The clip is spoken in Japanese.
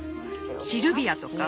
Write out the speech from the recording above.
「シルビア」とか？